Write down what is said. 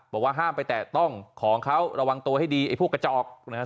บอกว่าห้ามไปแตะต้องของเขาระวังตัวให้ดีไอ้พวกกระจอกนะครับ